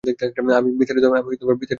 আমি বিস্তারিত জানতে চাইব না।